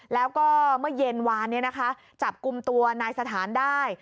แล้วก็เมื่อเย็นวานจับกลุ่มตัวนายสถานได้